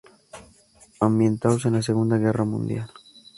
Ambientados en la Segunda Guerra Mundial.